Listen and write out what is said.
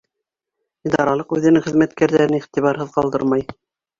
Идаралыҡ үҙенең хеҙмәткәрҙәрен иғтибарһыҙ ҡалдырмай.